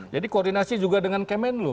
jadi koordinasi juga dengan kemenlu